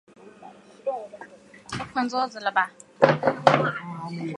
建议书长达万余字。